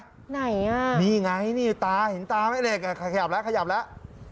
ไหนอ่ะมีไงนี่ตาเห็นตาไหมขยับแล้วขยับแล้ว